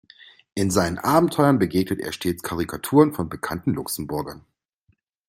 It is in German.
In seinen Abenteuern begegnet er stets Karikaturen von bekannten Luxemburgern.